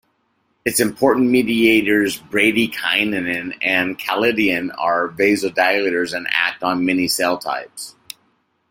Its important mediators bradykinin and kallidin are vasodilators and act on many cell types.